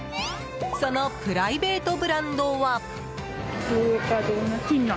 そのプライベートブランドは。